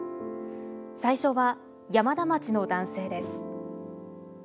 最初は山田町の男性です。